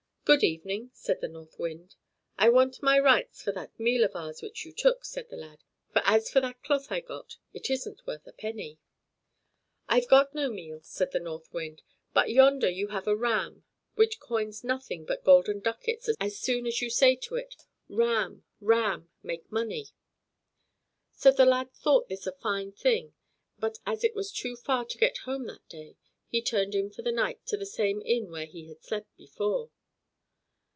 "Good evening," said the North Wind. "I want my rights for that meal of ours which you took," said the lad; "for as for that cloth I got, it isn't worth a penny." "I've got no meal," said the North Wind; "but yonder you have a ram which coins nothing but golden ducats as soon as you say to it: "'Ram, ram! make money!'" So the lad thought this a fine thing but as it was too far to get home that day, he turned in for the night to the same inn where he had slept before.